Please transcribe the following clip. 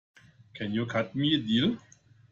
Can you cut me a deal?